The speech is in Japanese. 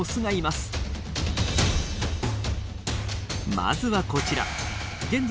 まずはこちら現在